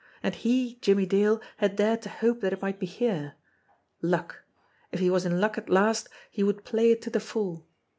And he, Jimmie Dale> had dared to hope that it might be here. Luck ! If he was in luck at last, he would play it to the full.